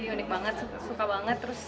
unik banget suka banget